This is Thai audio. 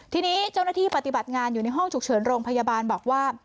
ทีนี้เจ้าหน้าที่ปฏิบัติงานอยู่ในห้องฉุกเฉินโรงพยาบาลบอกว่า